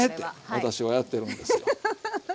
私はやってるんですよ。